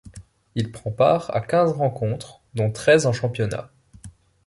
Il prend part à quinze rencontres dont treize en championnat.